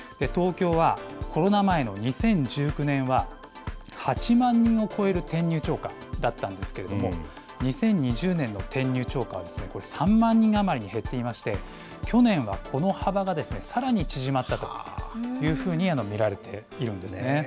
東京はコロナ前の２０１９年は、８万人を超える転入超過だったんですけれども、２０２０年の転入超過は３万人余りに減っていまして、去年はこの幅がさらに縮まったというふうに見られているんですね。